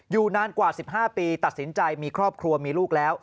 อยู่นานกว่า๑๕ปีตัดสินใจมีครอบครัวมีลูกแล้ว